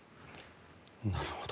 なるほど。